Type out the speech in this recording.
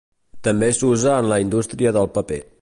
També s'usa en la indústria del paper.